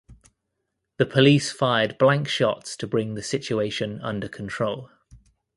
The police fired blank shots to bring the situation under control.